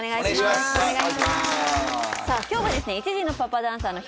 今日は１児のパパダンサーの。